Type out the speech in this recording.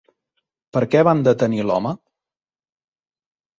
Per què van detenir l'home?